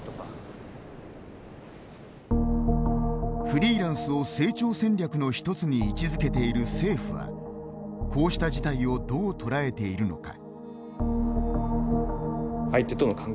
フリーランスを成長戦略の一つに位置づけている政府はこうした事態をどう捉えているのか。